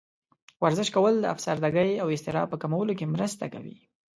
ورزش کول د افسردګۍ او اضطراب په کمولو کې مرسته کوي.